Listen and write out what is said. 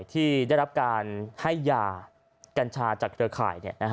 ที่ได้รับการให้ยากัญชาจากเครือข่าย